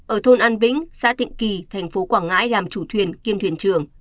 ở thôn an vĩnh xã tịnh kỳ thành phố quảng ngãi làm chủ thuyền kiêm thuyền trường